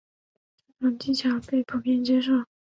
这种技巧被普遍接受。